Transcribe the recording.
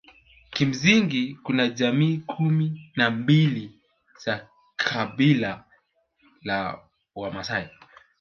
Kimsingi kuna jamii kumi na mbili za kabila la Wamasai